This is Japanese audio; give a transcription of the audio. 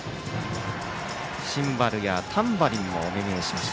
シンバルやタンバリンもお目見えしました